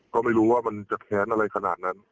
ก็ไม่รู้ว่ามันจะแค้นอะไรขนาดนั้น